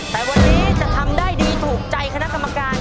แต่วันนี้จะทำได้ดีถูกใจคณะกรรมการ